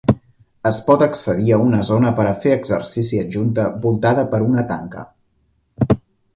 Es pot accedir a una zona per a fer exercici adjunta, voltada per una tanca.